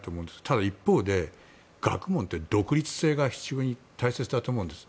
ただ一方で学問って、独立性が非常に大切だと思うんです。